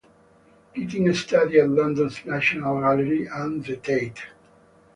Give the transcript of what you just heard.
Keating studied at London's National Gallery and the Tate.